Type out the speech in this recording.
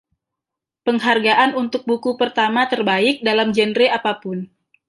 Penghargaan untuk buku pertama terbaik dalam genre apa pun.